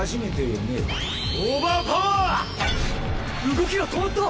動きが止まった！